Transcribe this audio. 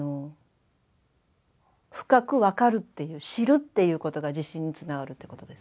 深く分かるっていう知るっていうことが自信につながるってことです。